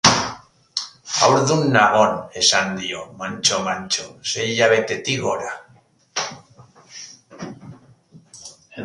Haurdun nagon, esan dio, mantso-mantso, sei hilabetetik gora.